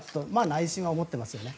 内心は思ってますよね。